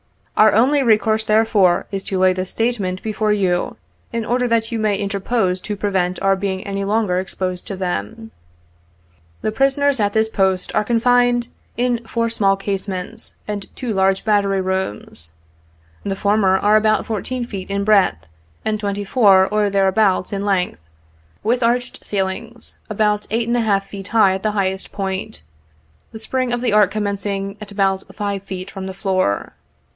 Our only recourse therefore, is to lay this statement before you, in order that you may interpose to prevent our being any longer exposed to them. "The prisoners at this post are confined in four small casemates, and two large battery rooms. The former are about fourteen feet in breadth by twenty four or thereabouts in length, with arched ceilings about eight and a half feet high at the highest point, the spring of the arch commencing at about five feet from the floor.